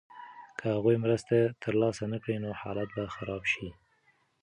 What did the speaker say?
که هغوی مرسته ترلاسه نکړي نو حالت به خراب شي.